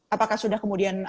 apakah sudah kemudian